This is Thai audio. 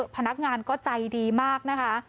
พนักงานก็ใจดีมากนะคะ